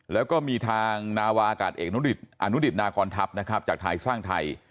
แล้วก็มีทางนาวากาศเอกอนุดิษฐ์นากอนทัพจากธายสร้างไทย